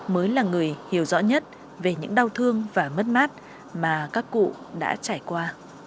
mới là người hiểu rõ nhất về những đau thương và mất mát mà các cụ đã trải qua